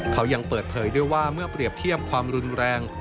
เขายังเปิดเผยด้วยว่าเมื่อเปรียบเทียบความรุนแรง